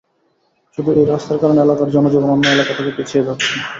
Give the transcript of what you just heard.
শুধু এই রাস্তার কারণে এলাকার জনজীবন অন্য এলাকা থেকে পিছিয়ে যাচ্ছে।